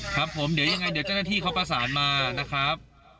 ครับผมเดี๋ยวยังไงเดี๋ยวเจ้าหน้าที่เขาประสานมานะครับ